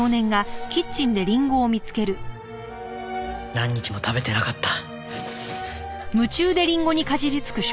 何日も食べてなかった。